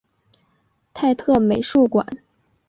泰特美术馆。